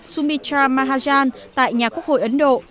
sumitra mahajan tại nhà quốc hội ấn độ